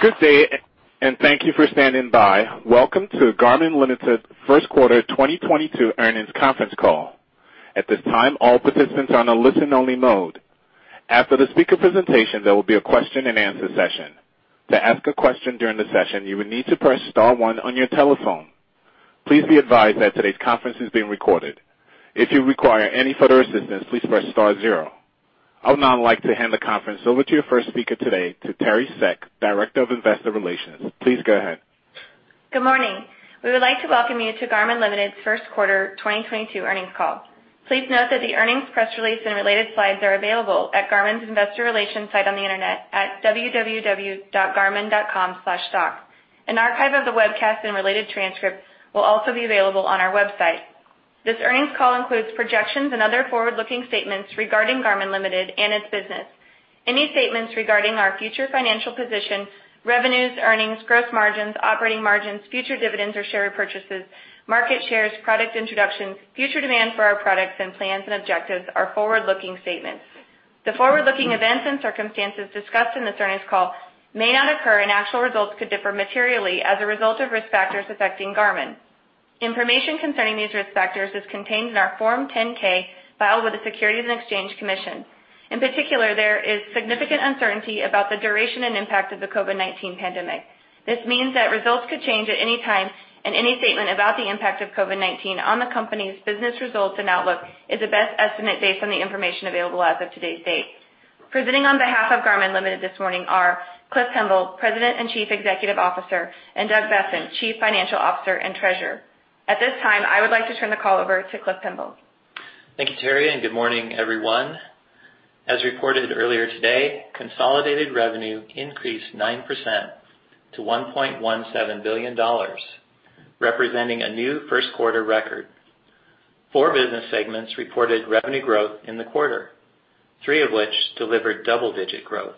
Good day, and thank you for standing by. Welcome to Garmin Ltd. first quarter 2022 earnings conference call. At this time, all participants are on a listen-only mode. After the speaker presentation, there will be a question-and-answer session. To ask a question during the session, you will need to press star one on your telephone. Please be advised that today's conference is being recorded. If you require any further assistance, please press star zero. I would now like to hand the conference over to your first speaker today, to Teri Seck, Director of Investor Relations. Please go ahead. Good morning. We would like to welcome you to Garmin Ltd.'s first quarter 2022 earnings call. Please note that the earnings press release and related slides are available at Garmin's investor relations site on the Internet at www.garmin.com/stock. An archive of the webcast and related transcripts will also be available on our website. This earnings call includes projections and other forward-looking statements regarding Garmin Ltd. and its business. Any statements regarding our future financial position, revenues, earnings, gross margins, operating margins, future dividends or share repurchases, market shares, product introductions, future demand for our products, and plans and objectives are forward-looking statements. The forward-looking events and circumstances discussed in this earnings call may not occur and actual results could differ materially as a result of risk factors affecting Garmin. Information concerning these risk factors is contained in our Form 10-K filed with the Securities and Exchange Commission. In particular, there is significant uncertainty about the duration and impact of the COVID-19 pandemic. This means that results could change at any time, and any statement about the impact of COVID-19 on the company's business results and outlook is a best estimate based on the information available as of today's date. Presenting on behalf of Garmin Ltd. this morning are Cliff Pemble, President and Chief Executive Officer, and Doug Boessen, Chief Financial Officer and Treasurer. At this time, I would like to turn the call over to Cliff Pemble. Thank you, Teri, and good morning, everyone. As reported earlier today, consolidated revenue increased 9% to $1.17 billion, representing a new first quarter record. Four business segments reported revenue growth in the quarter, three of which delivered double-digit growth.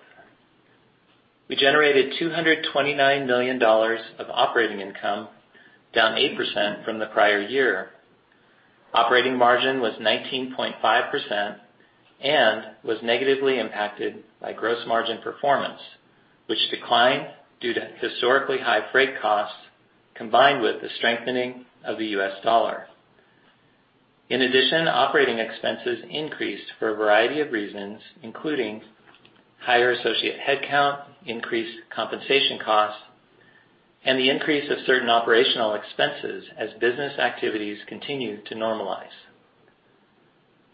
We generated $229 million of operating income, down 8% from the prior year. Operating margin was 19.5% and was negatively impacted by gross margin performance, which declined due to historically high freight costs, combined with the strengthening of the U.S. dollar. In addition, operating expenses increased for a variety of reasons, including higher associate headcount, increased compensation costs, and the increase of certain operational expenses as business activities continue to normalize.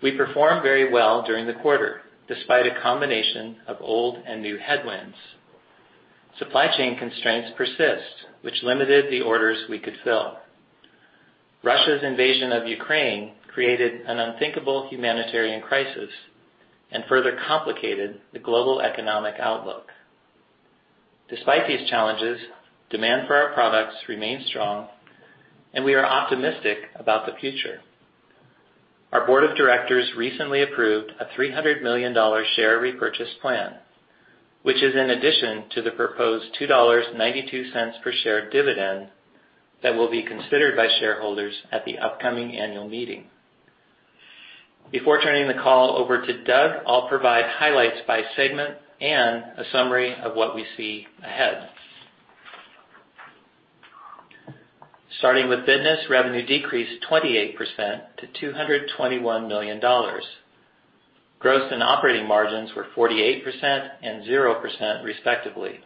We performed very well during the quarter, despite a combination of old and new headwinds. Supply chain constraints persist, which limited the orders we could fill. Russia's invasion of Ukraine created an unthinkable humanitarian crisis and further complicated the global economic outlook. Despite these challenges, demand for our products remains strong, and we are optimistic about the future. Our board of directors recently approved a $300 million share repurchase plan, which is in addition to the proposed $2.92 per share dividend that will be considered by shareholders at the upcoming annual meeting. Before turning the call over to Doug, I'll provide highlights by segment and a summary of what we see ahead. Starting with Fitness, revenue decreased 28% to $221 million. Gross and operating margins were 48% and 0%, respectively.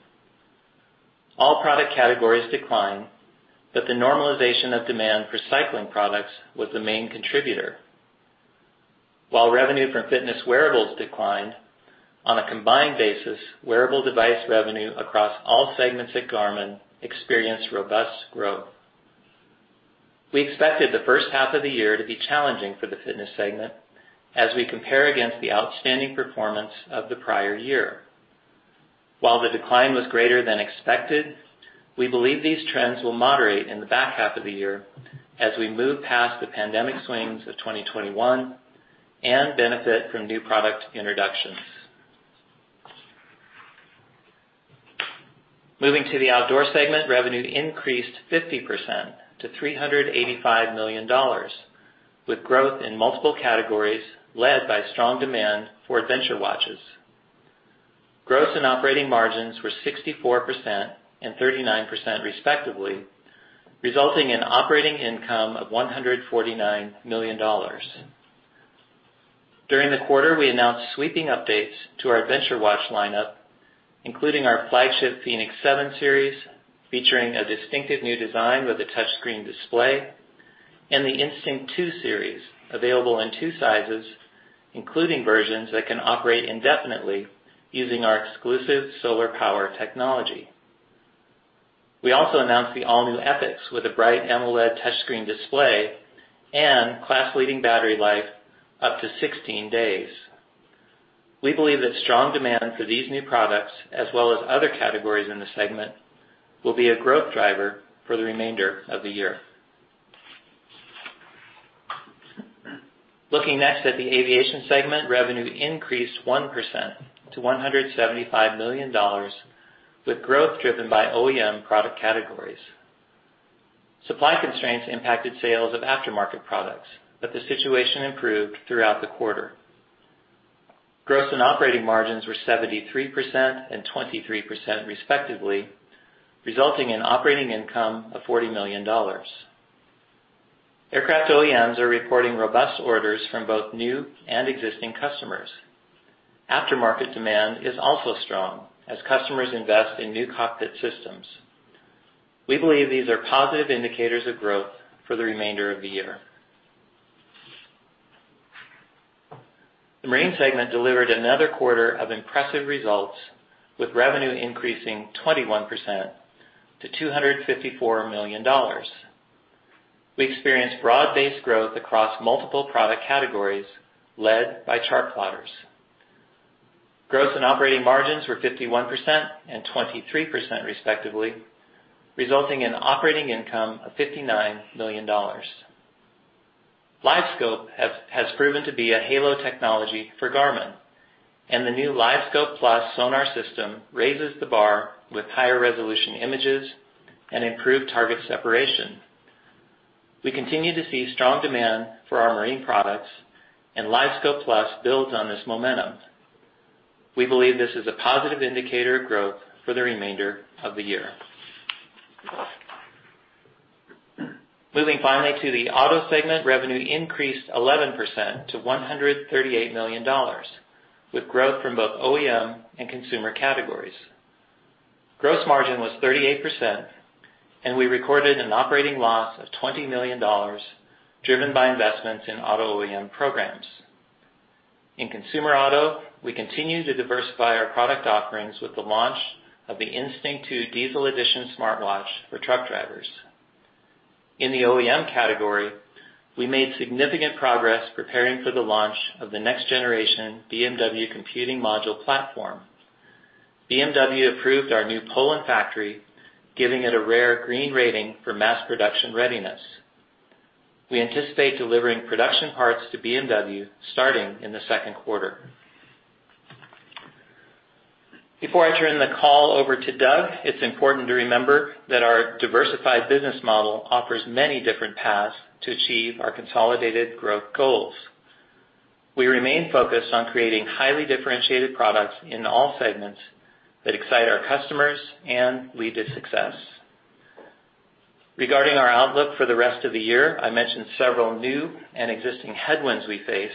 All product categories declined, but the normalization of demand for cycling products was the main contributor. While revenue from fitness wearables declined, on a combined basis, wearable device revenue across all segments at Garmin experienced robust growth. We expected the first half of the year to be challenging for the Fitness segment as we compare against the outstanding performance of the prior year. While the decline was greater than expected, we believe these trends will moderate in the back half of the year as we move past the pandemic swings of 2021 and benefit from new product introductions. Moving to the Outdoor segment, revenue increased 50% to $385 million, with growth in multiple categories led by strong demand for adventure watches. Gross and operating margins were 64% and 39%, respectively, resulting in operating income of $149 million. During the quarter, we announced sweeping updates to our adventure watch lineup, including our flagship fēnix 7 series, featuring a distinctive new design with a touchscreen display and the Instinct 2 series available in two sizes, including versions that can operate indefinitely using our exclusive solar power technology. We also announced the all-new epix with a bright AMOLED touchscreen display and class-leading battery life up to 16 days. We believe that strong demand for these new products, as well as other categories in the segment, will be a growth driver for the remainder of the year. Looking next at the Aviation segment, revenue increased 1% to $175 million, with growth driven by OEM product categories. Supply constraints impacted sales of aftermarket products, but the situation improved throughout the quarter. Gross and operating margins were 73% and 23% respectively, resulting in operating income of $40 million. Aircraft OEMs are reporting robust orders from both new and existing customers. Aftermarket demand is also strong as customers invest in new cockpit systems. We believe these are positive indicators of growth for the remainder of the year. The Marine segment delivered another quarter of impressive results, with revenue increasing 21% to $254 million. We experienced broad-based growth across multiple product categories led by chartplotters. Gross and operating margins were 51% and 23% respectively, resulting in operating income of $59 million. LiveScope has proven to be a halo technology for Garmin, and the new LiveScope Plus sonar system raises the bar with higher resolution images and improved target separation. We continue to see strong demand for our Marine products and LiveScope Plus builds on this momentum. We believe this is a positive indicator of growth for the remainder of the year. Moving finally to the Auto segment, revenue increased 11% to $138 million, with growth from both OEM and consumer categories. Gross margin was 38%, and we recorded an operating loss of $20 million, driven by investments in Auto OEM programs. In consumer auto, we continue to diversify our product offerings with the launch of the Instinct 2 – dēzl Edition smartwatch for truck drivers. In the OEM category, we made significant progress preparing for the launch of the next generation BMW computing module platform. BMW approved our new Poland factory, giving it a rare green rating for mass production readiness. We anticipate delivering production parts to BMW starting in the second quarter. Before I turn the call over to Doug, it's important to remember that our diversified business model offers many different paths to achieve our consolidated growth goals. We remain focused on creating highly differentiated products in all segments that excite our customers and lead to success. Regarding our outlook for the rest of the year, I mentioned several new and existing headwinds we face,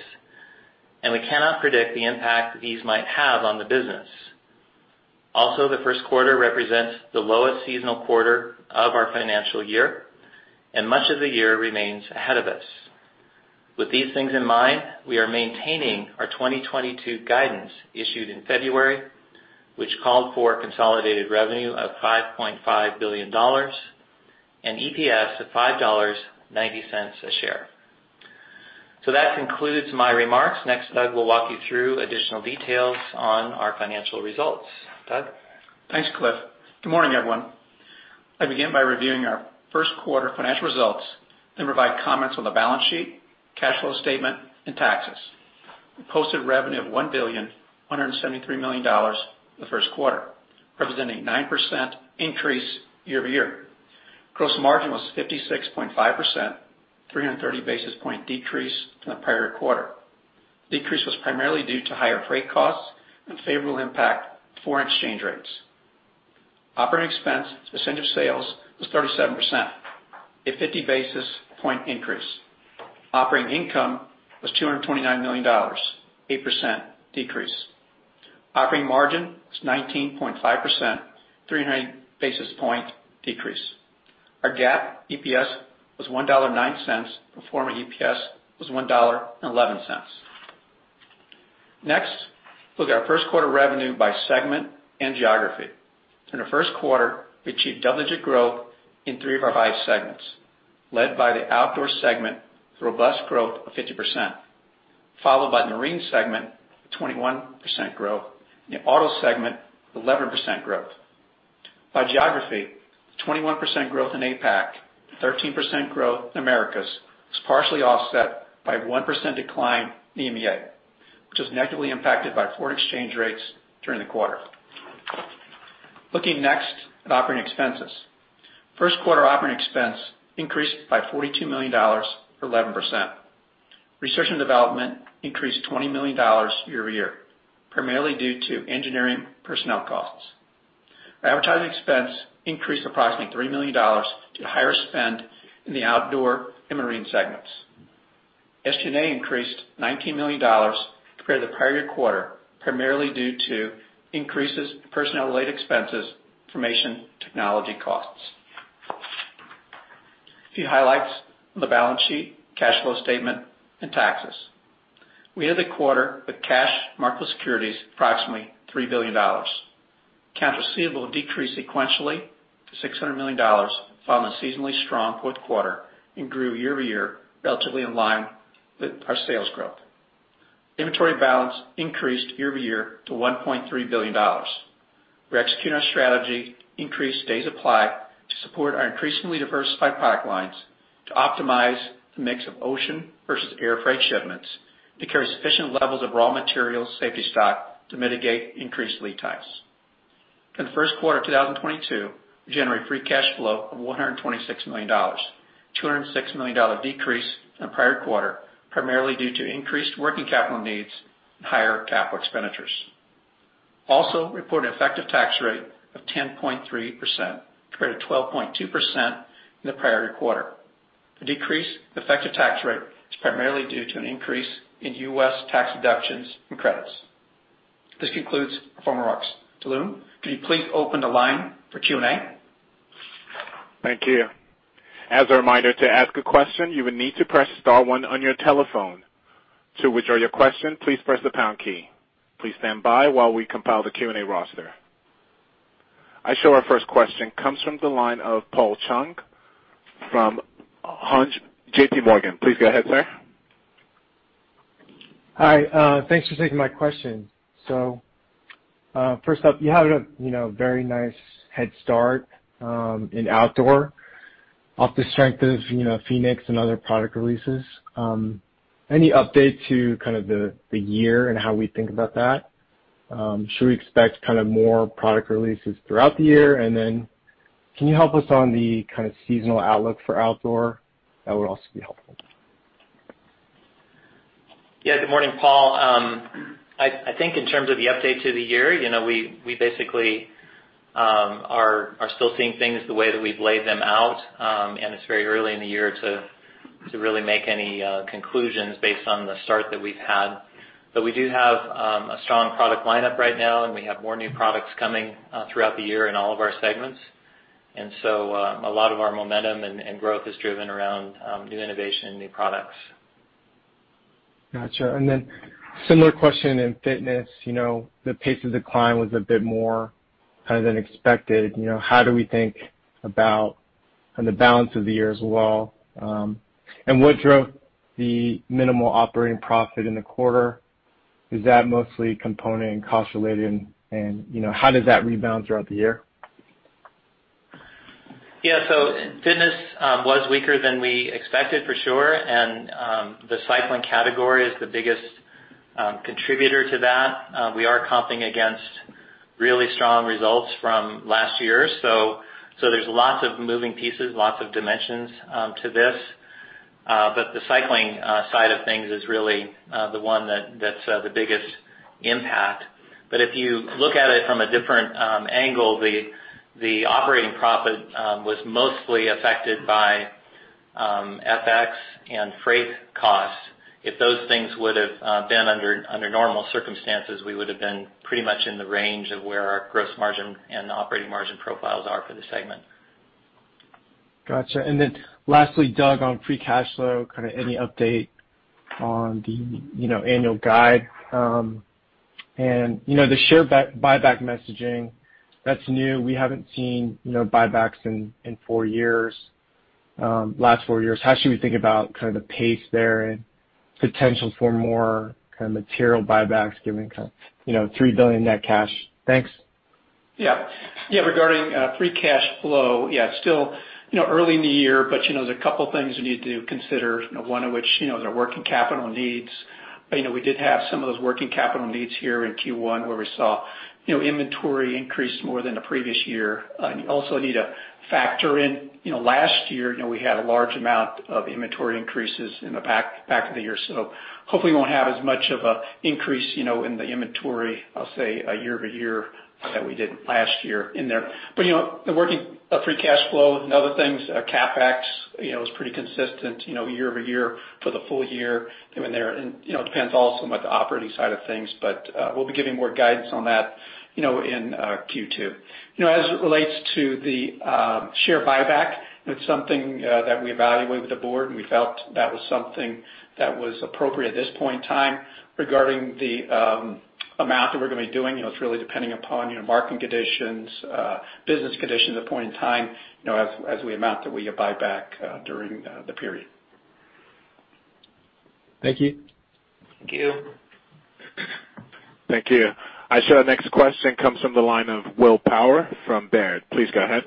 and we cannot predict the impact these might have on the business. Also, the first quarter represents the lowest seasonal quarter of our financial year, and much of the year remains ahead of us. With these things in mind, we are maintaining our 2022 guidance issued in February, which called for consolidated revenue of $5.5 billion and EPS of $5.90 a share. That concludes my remarks. Next, Doug will walk you through additional details on our financial results. Doug? Thanks, Cliff. Good morning, everyone. I begin by reviewing our first quarter financial results and provide comments on the balance sheet, cash flow statement, and taxes. We posted revenue of $1,173 million in the first quarter, representing 9% increase year-over-year. Gross margin was 56.5%, 330 basis point decrease from the prior quarter. Decrease was primarily due to higher freight costs and the favorable impact of foreign exchange rates. Operating expense as a percent of sales was 37%, a 50 basis point increase. Operating income was $229 million, 8% decrease. Operating margin was 19.5%, 300 basis point decrease. Our GAAP EPS was $1.09. Pro forma EPS was $1.11. Next, look at our first quarter revenue by segment and geography. In the first quarter, we achieved double-digit growth in three of our five segments, led by the Outdoor segment with robust growth of 50%, followed by the Marine segment, 21% growth, and the Auto segment, 11% growth. By geography, 21% growth in APAC, 13% growth in Americas was partially offset by 1% decline in EMEA, which was negatively impacted by foreign exchange rates during the quarter. Looking next at operating expenses. First quarter operating expense increased by $42 million or 11%. Research and development increased $20 million year-over-year, primarily due to engineering personnel costs. Our advertising expense increased approximately $3 million to higher spend in the Outdoor and Marine segments. SG&A increased $19 million compared to the prior-year quarter, primarily due to increases to personnel-related expenses from information technology costs. A few highlights on the balance sheet, cash flow statement, and taxes. We ended the quarter with cash, marketable securities approximately $3 billion. Accounts receivable decreased sequentially to $600 million from a seasonally strong fourth quarter and grew year-over-year, relatively in line with our sales growth. Inventory balance increased year-over-year to $1.3 billion. We're executing our strategy to increase days applied to support our increasingly diversified product lines to optimize the mix of ocean versus air freight shipments to carry sufficient levels of raw material safety stock to mitigate increased lead times. In the first quarter of 2022, we generated free cash flow of $126 million, $206 million decrease in the prior quarter, primarily due to increased working capital needs and higher capital expenditures. Also reported effective tax rate of 10.3% compared to 12.2% in the prior quarter. The decrease in effective tax rate is primarily due to an increase in U.S. tax deductions and credits. This concludes our formal remarks. Taloon, could you please open the line for Q&A? Thank you. As a reminder to ask a question, you will need to press star one on your telephone. To withdraw your question, please press the pound key. Please stand by while we compile the Q&A roster. Our first question comes from the line of Paul Chung from JPMorgan. Please go ahead, sir. Hi, thanks for taking my question. First up, you have a, you know, very nice head start in outdoor on the strength of, you know, fēnix and other product releases. Any update to kind of the year and how we think about that? Should we expect kind of more product releases throughout the year? Can you help us on the kind of seasonal outlook for Outdoor? That would also be helpful. Yeah. Good morning, Paul. I think in terms of the update to the year, you know, we basically are still seeing things the way that we've laid them out, and it's very early in the year to really make any conclusions based on the start that we've had. But we do have a strong product lineup right now, and we have more new products coming throughout the year in all of our segments. A lot of our momentum and growth is driven around new innovation and new products. Gotcha. Similar question in Fitness. You know, the pace of decline was a bit more kind of than expected. You know, how do we think about the balance of the year as well? What drove the minimal operating profit in the quarter? Is that mostly component and cost related, and you know, how does that rebound throughout the year? Yeah. Fitness was weaker than we expected for sure. The cycling category is the biggest contributor to that. We are comping against really strong results from last year, so there's lots of moving pieces, lots of dimensions to this. The cycling side of things is really the one that's the biggest impact. If you look at it from a different angle, the operating profit was mostly affected by FX and freight costs. If those things would've been under normal circumstances, we would've been pretty much in the range of where our gross margin and operating margin profiles are for the segment. Gotcha. Lastly, Doug, on free cash flow, kind of any update on the, you know, annual guidance? You know, the share buyback messaging, that's new. We haven't seen, you know, buybacks in four years, last four years. How should we think about kind of the pace there and potential for more kind of material buybacks given kind of, you know, $3 billion net cash? Thanks. Yeah. Yeah, regarding free cash flow, yeah, it's still, you know, early in the year, but, you know, there's a couple things we need to consider, one of which, you know, is our working capital needs. We did have some of those working capital needs here in Q1, where we saw, you know, inventory increase more than the previous year. You also need to factor in, you know, last year, you know, we had a large amount of inventory increases in the back of the year. Hopefully won't have as much of an increase, you know, in the inventory. I'll say year-over-year that we did last year in there. The working capital, free cash flow and other things, CapEx, you know, is pretty consistent, you know, year-over-year for the full year in there. You know, it depends also on like the operating side of things, but we'll be giving more guidance on that, you know, in Q2. You know, as it relates to the share buyback, it's something that we evaluate with the board, and we felt that was something that was appropriate at this point in time regarding the amount that we're gonna be doing. You know, it's really depending upon, you know, market conditions, business conditions at that point in time, you know, as the amount that we buy back during the period. Thank you. Thank you. Thank you. I show our next question comes from the line of Will Power from Baird. Please go ahead.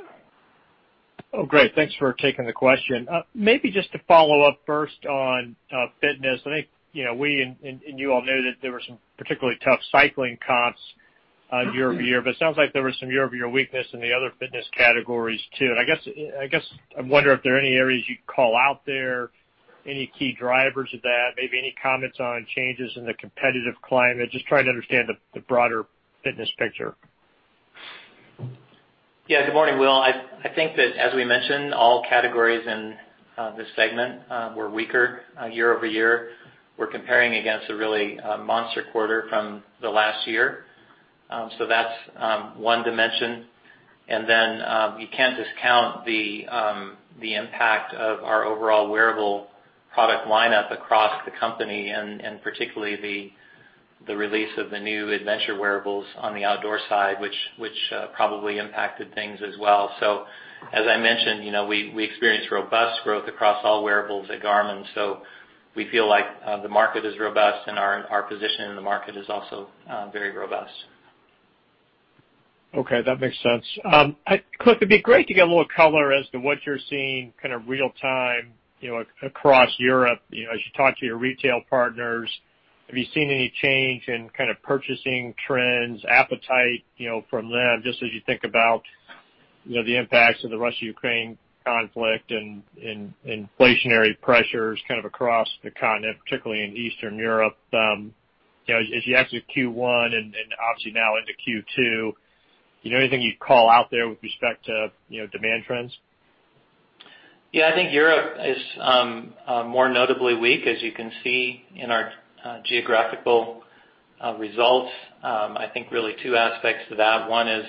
Oh, great. Thanks for taking the question. Maybe just to follow up first on Fitness. I think, you know, we and you all know that there were some particularly tough cycling comps year-over-year, but it sounds like there was some year-over-year weakness in the other Fitness categories too. I guess I wonder if there are any areas you'd call out there, any key drivers of that, maybe any comments on changes in the competitive climate. Just trying to understand the broader Fitness picture. Yeah. Good morning, Will. I think that as we mentioned, all categories in this segment were weaker year-over-year. We're comparing against a really monster quarter from the last year. So that's one dimension. You can't discount the impact of our overall wearable product lineup across the company, and particularly the release of the new adventure wearables on the outdoor side, which probably impacted things as well. As I mentioned, you know, we experienced robust growth across all wearables at Garmin, so we feel like the market is robust and our position in the market is also very robust. Okay, that makes sense. Cliff, it'd be great to get a little color as to what you're seeing kind of real time, you know, across Europe, you know, as you talk to your retail partners. Have you seen any change in kind of purchasing trends, appetite, you know, from them just as you think about, you know, the impacts of the Russia-Ukraine conflict and inflationary pressures kind of across the continent, particularly in Eastern Europe? You know, as you exit Q1 and obviously now into Q2, you know anything you'd call out there with respect to, you know, demand trends? Yeah. I think Europe is more notably weak, as you can see in our geographical results. I think really two aspects to that. One is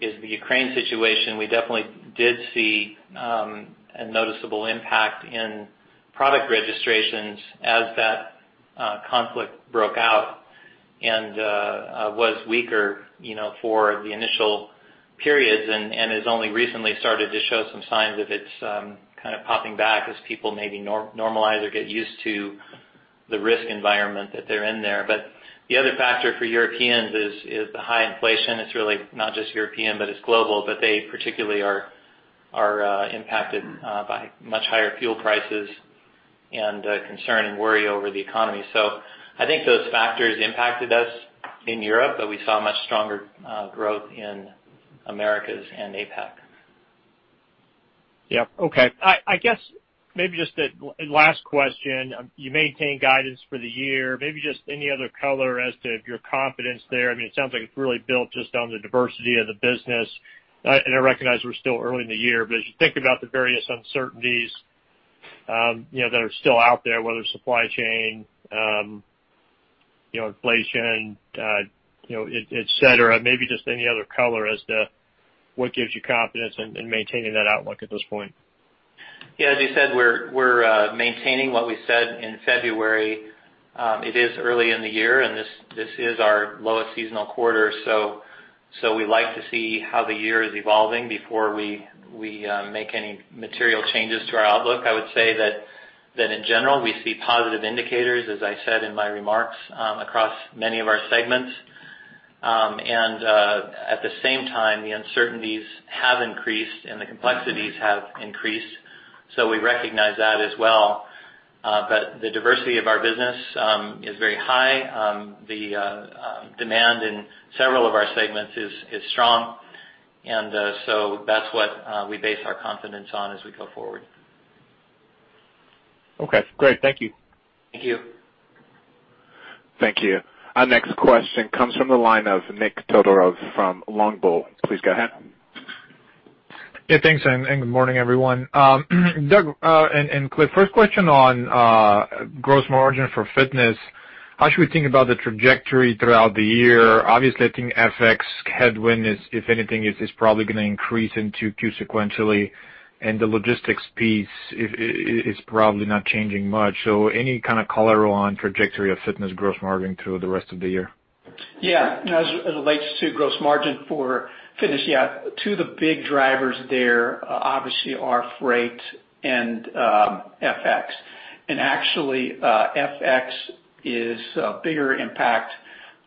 the Ukraine situation. We definitely did see a noticeable impact in product registrations as that conflict broke out and was weaker, you know, for the initial periods and has only recently started to show some signs of its kind of popping back as people maybe normalize or get used to the risk environment that they're in there. The other factor for Europeans is the high inflation. It's really not just European, but it's global. They particularly are impacted by much higher fuel prices and concern and worry over the economy. I think those factors impacted us in Europe, but we saw much stronger growth in Americas and APAC. Yep. Okay. I guess maybe just a last question. You maintain guidance for the year, maybe just any other color as to your confidence there. I mean, it sounds like it's really built just on the diversity of the business. I recognize we're still early in the year, but as you think about the various uncertainties, you know, that are still out there, whether supply chain, you know, inflation, you know, et cetera, maybe just any other color as to what gives you confidence in maintaining that outlook at this point. Yeah, as you said, we're maintaining what we said in February. It is early in the year, and this is our lowest seasonal quarter. We like to see how the year is evolving before we make any material changes to our outlook. I would say that in general, we see positive indicators, as I said in my remarks, across many of our segments. At the same time, the uncertainties have increased and the complexities have increased, so we recognize that as well. The diversity of our business is very high. The demand in several of our segments is strong. That's what we base our confidence on as we go forward. Okay. Great. Thank you. Thank you. Thank you. Our next question comes from the line of Nik Todorov from Longbow. Please go ahead. Yeah, thanks, and good morning, everyone. Doug, and Cliff, first question on gross margin for Fitness. How should we think about the trajectory throughout the year? Obviously, I think FX headwind is, if anything, is probably gonna increase in 2Q sequentially, and the logistics piece is probably not changing much, so any kind of color on trajectory of fitness gross margin through the rest of the year? Yeah. As it relates to gross margin for Fitness, yeah. Two of the big drivers there, obviously, are freight and FX. Actually, FX is a bigger impact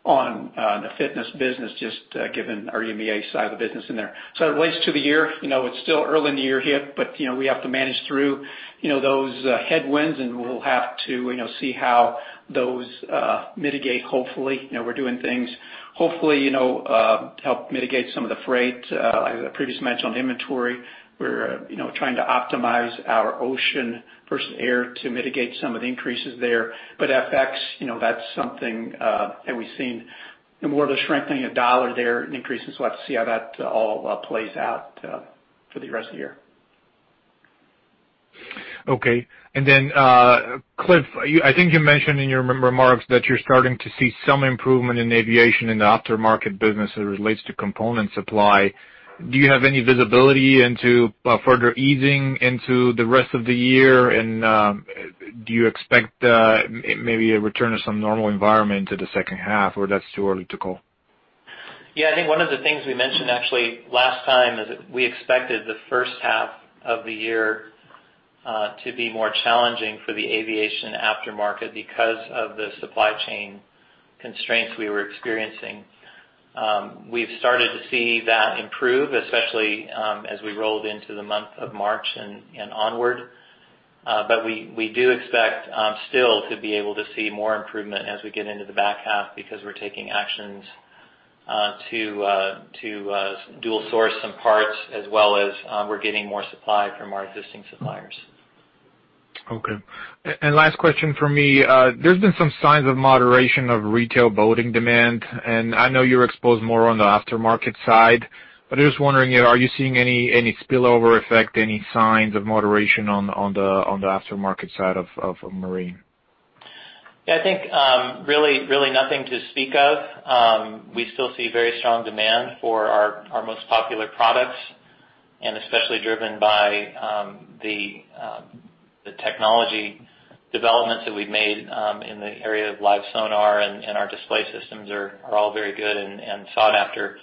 on the Fitness business, just given our EMEA side of the business in there. It relates to the year, you know, it's still early in the year here, but, you know, we have to manage through, you know, those headwinds, and we'll have to, you know, see how those mitigate, hopefully. You know, we're doing things hopefully, you know, help mitigate some of the freight. I previously mentioned inventory. We're, you know, trying to optimize our ocean versus air to mitigate some of the increases there. FX, you know, that's something that we've seen more of the strengthening of dollar there and increases. Let's see how that all plays out for the rest of the year. Okay. Cliff, I think you mentioned in your prepared remarks that you're starting to see some improvement in Aviation in the aftermarket business as it relates to component supply. Do you have any visibility into further easing into the rest of the year? Do you expect maybe a return to some normal environment to the second half, or that's too early to call? Yeah. I think one of the things we mentioned actually last time is that we expected the first half of the year to be more challenging for the Aviation aftermarket because of the supply chain constraints we were experiencing. We've started to see that improve, especially as we rolled into the month of March and onward. We do expect still to be able to see more improvement as we get into the back half because we're taking actions to dual source some parts as well as we're getting more supply from our existing suppliers. Last question for me. There's been some signs of moderation of retail boating demand, and I know you're exposed more on the aftermarket side, but I'm just wondering, are you seeing any spillover effect, any signs of moderation on the aftermarket side of Marine? Yeah. I think really nothing to speak of. We still see very strong demand for our most popular products, and especially driven by the technology developments that we've made in the area of live sonar and our display systems are all very good and sought after.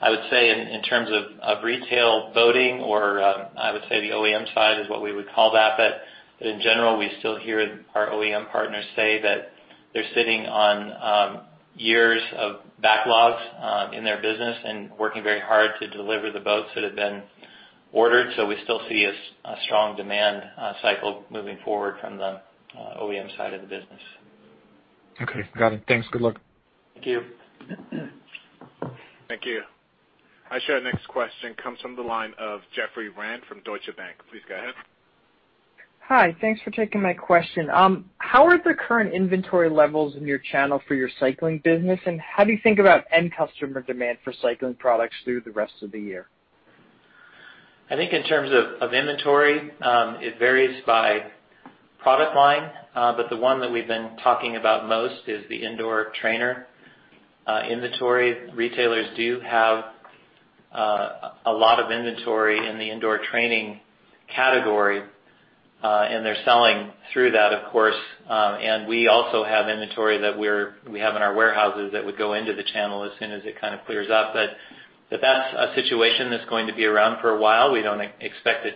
I would say in terms of retail boating or I would say the OEM side is what we would call that, but in general, we still hear our OEM partners say that they're sitting on years of backlogs in their business and working very hard to deliver the boats that have been ordered. We still see a strong demand cycle moving forward from the OEM side of the business. Okay. Got it. Thanks. Good luck. Thank you. Thank you. I show the next question comes from the line of Jeffrey Rand from Deutsche Bank. Please go ahead. Hi. Thanks for taking my question. How are the current inventory levels in your channel for your cycling business, and how do you think about end customer demand for cycling products through the rest of the year? I think in terms of inventory, it varies by product line, but the one that we've been talking about most is the indoor trainer inventory. Retailers do have a lot of inventory in the indoor training category, and they're selling through that, of course. We also have inventory that we have in our warehouses that would go into the channel as soon as it kind of clears up. That's a situation that's going to be around for a while. We don't expect it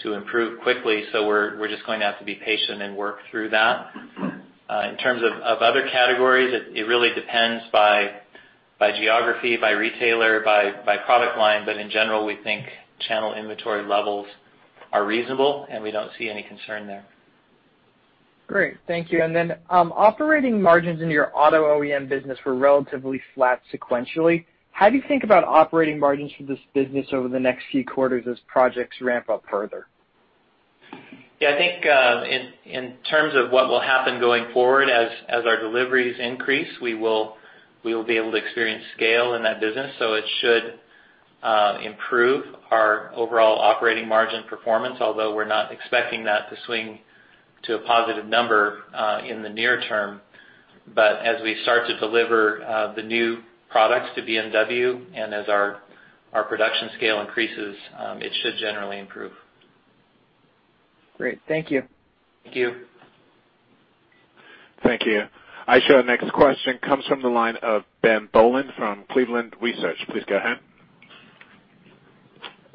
to improve quickly, so we're just going to have to be patient and work through that. In terms of other categories, it really depends by geography, by retailer, by product line. In general, we think channel inventory levels are reasonable, and we don't see any concern there. Great. Thank you. Operating margins in your Auto OEM business were relatively flat sequentially. How do you think about operating margins for this business over the next few quarters as projects ramp up further? Yeah. I think in terms of what will happen going forward, as our deliveries increase, we will be able to experience scale in that business, so it should improve our overall operating margin performance, although we're not expecting that to swing to a positive number in the near term. As we start to deliver the new products to BMW and as our production scale increases, it should generally improve. Great. Thank you. Thank you. Thank you. I show the next question comes from the line of Ben Bollin from Cleveland Research. Please go ahead.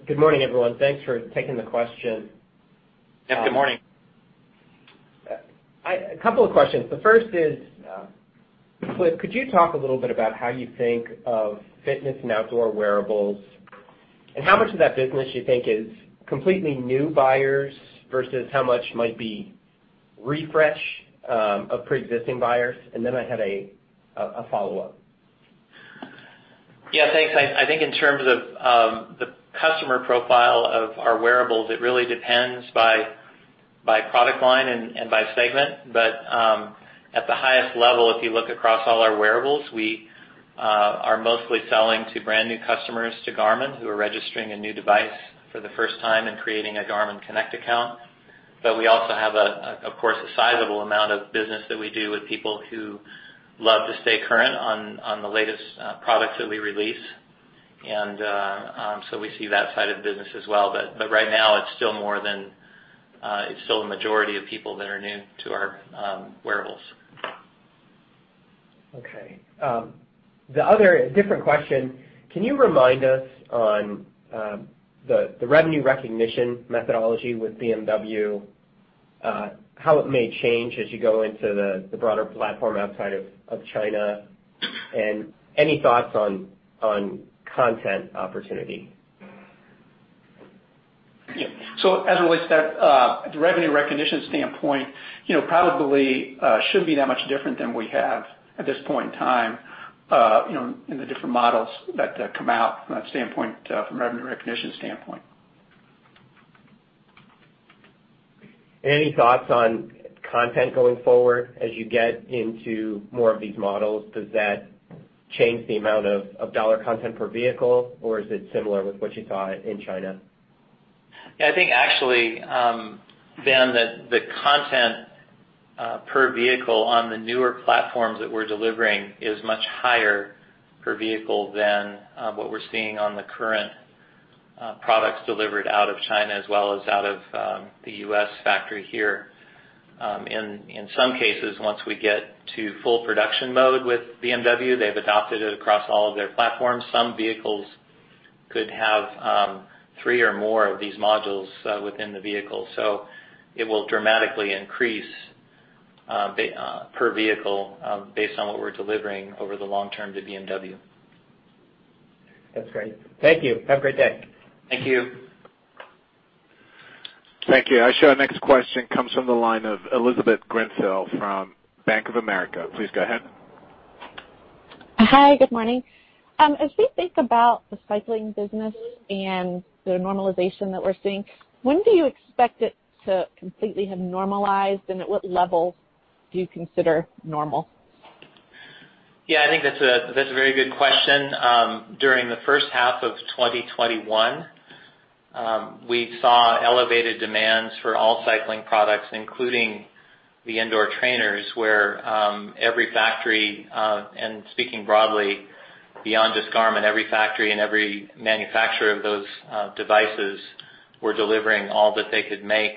Good morning, everyone. Thanks for taking the question. Good morning. A couple of questions. The first is, Cliff, could you talk a little bit about how you think of Fitness and Outdoor wearables, and how much of that business you think is completely new buyers versus how much might be refresh of pre-existing buyers? Then I had a follow-up. Yeah. Thanks. I think in terms of the customer profile of our wearables, it really depends by product line and by segment. At the highest level, if you look across all our wearables, we are mostly selling to brand-new customers to Garmin who are registering a new device for the first time and creating a Garmin Connect account. We also have of course a sizable amount of business that we do with people who love to stay current on the latest products that we release. We see that side of the business as well. Right now it's still more than a majority of people that are new to our wearables. Okay. The other different question, can you remind us on the revenue recognition methodology with BMW, how it may change as you go into the broader platform outside of China? Any thoughts on content opportunity? As it relates to that, the revenue recognition standpoint, you know, probably shouldn't be that much different than we have at this point in time, you know, in the different models that come out from that standpoint, from revenue recognition standpoint. Any thoughts on content going forward as you get into more of these models? Does that change the amount of dollar content per vehicle, or is it similar with what you saw in China? Yeah. I think actually, Ben, the content per vehicle on the newer platforms that we're delivering is much higher per vehicle than what we're seeing on the current products delivered out of China as well as out of the U.S. factory here. In some cases, once we get to full production mode with BMW, they've adopted it across all of their platforms. Some vehicles could have three or more of these modules within the vehicle. It will dramatically increase per vehicle based on what we're delivering over the long term to BMW. That's great. Thank you. Have a great day. Thank you. Thank you. I show the our next question comes from the line of Elizabeth Grenfell from Bank of America. Please go ahead. Hi. Good morning. As we think about the cycling business and the normalization that we're seeing, when do you expect it to completely have normalized, and at what level do you consider normal? Yeah. I think that's a very good question. During the first half of 2021, we saw elevated demands for all cycling products, including the indoor trainers, where every factory and speaking broadly, beyond just Garmin, every factory and every manufacturer of those devices were delivering all that they could make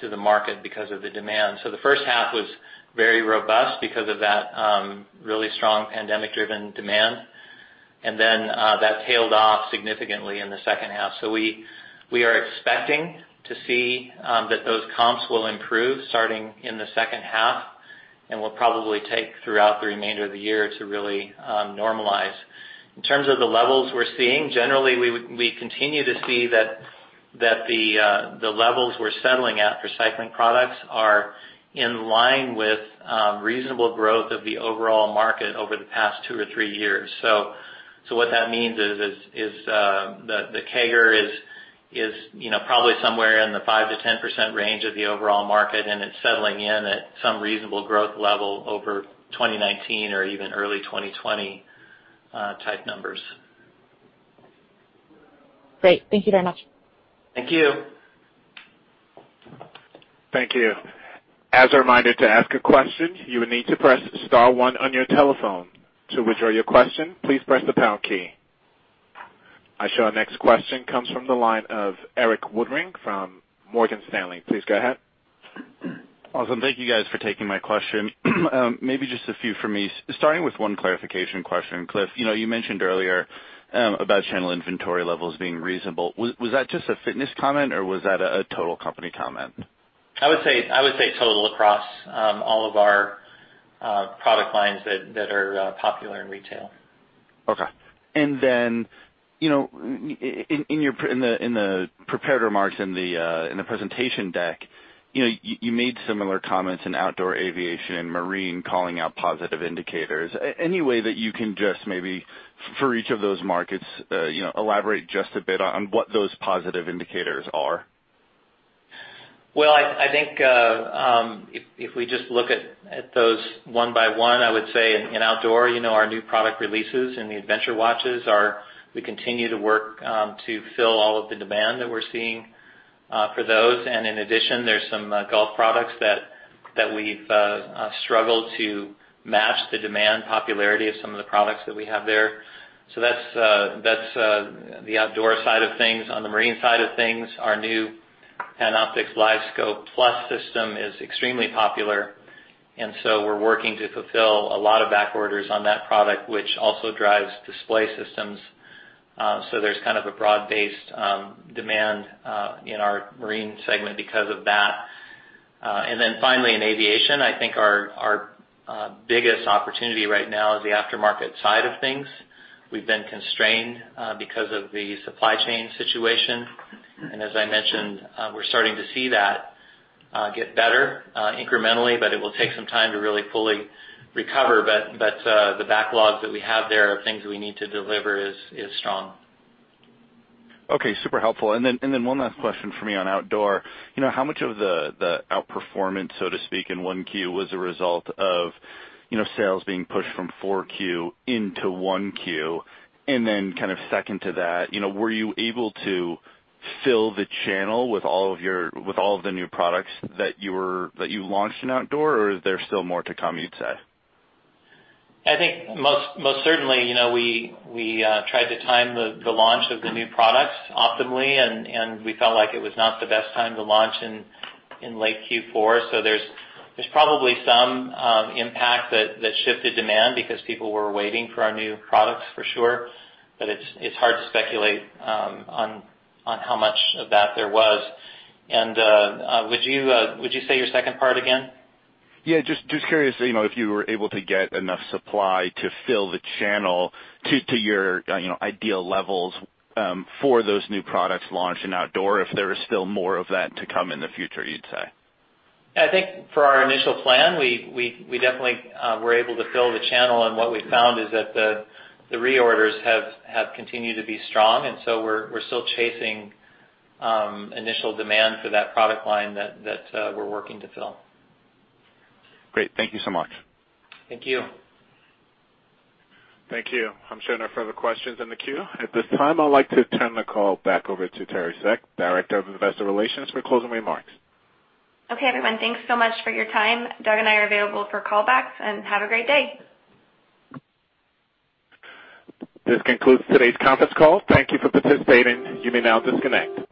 to the market because of the demand. The first half was very robust because of that really strong pandemic-driven demand. That tailed off significantly in the second half. We are expecting to see that those comps will improve starting in the second half and will probably take throughout the remainder of the year to really normalize. In terms of the levels we're seeing, generally we continue to see that the levels we're settling at for cycling products are in line with reasonable growth of the overall market over the past two or three years. What that means is the CAGR is, you know, probably somewhere in the 5%-10% range of the overall market, and it's settling in at some reasonable growth level over 2019 or even early 2020 type numbers. Great. Thank you very much. Thank you. Thank you. As a reminder, to ask a question, you will need to press star one on your telephone. To withdraw your question, please press the pound key. I show our next question comes from the line of Erik Woodring from Morgan Stanley. Please go ahead. Awesome. Thank you guys for taking my question. Maybe just a few from me, starting with one clarification question, Cliff. You know, you mentioned earlier, about channel inventory levels being reasonable. Was that just a Fitness comment, or was that a total company comment? I would say total across all of our product lines that are popular in retail. Okay, you know, in your prepared remarks in the presentation deck, you know, you made similar comments in Outdoor, Aviation and Marine calling out positive indicators. Any way that you can just maybe for each of those markets, you know, elaborate just a bit on what those positive indicators are? Well, I think if we just look at those one by one, I would say in Outdoor, you know, our new product releases and the adventure watches. We continue to work to fill all of the demand that we're seeing for those. In addition, there's some golf products that we've struggled to match the demand popularity of some of the products that we have there. That's the Outdoor side of things. On the Marine side of things, our new Panoptix LiveScope Plus system is extremely popular, and so we're working to fulfill a lot of back orders on that product, which also drives display systems. There's kind of a broad-based demand in our Marine segment because of that. Finally, in Aviation, I think our biggest opportunity right now is the aftermarket side of things. We've been constrained because of the supply chain situation. As I mentioned, we're starting to see that get better incrementally, but it will take some time to really fully recover. But the backlogs that we have there of things we need to deliver is strong. Okay, super helpful. Then one last question for me on Outdoor. You know, how much of the outperformance, so to speak, in 1Q was a result of, you know, sales being pushed from 4Q into 1Q? Kind of second to that, you know, were you able to fill the channel with all of the new products that you launched in Outdoor, or is there still more to come, you'd say? I think most certainly, you know, we tried to time the launch of the new products optimally and we felt like it was not the best time to launch in late Q4. There's probably some impact that shifted demand because people were waiting for our new products for sure. But it's hard to speculate on how much of that there was. Would you say your second part again? Yeah, just curious, you know, if you were able to get enough supply to fill the channel to your, you know, ideal levels, for those new products launched in Outdoor, if there is still more of that to come in the future, you'd say. I think for our initial plan, we definitely were able to fill the channel. What we found is that the reorders have continued to be strong, and so we're still chasing initial demand for that product line that we're working to fill. Great. Thank you so much. Thank you. Thank you. I'm showing no further questions in the queue. At this time, I'd like to turn the call back over to Teri Seck, Director of Investor Relations for closing remarks. Okay, everyone. Thanks so much for your time. Doug and I are available for callbacks, and have a great day. This concludes today's conference call. Thank you for participating. You may now disconnect.